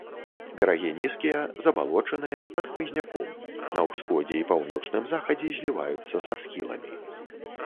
Берагі нізкія, забалочаныя, пад хмызняком, на ўсходзе і паўночным-захадзе зліваюцца са схіламі.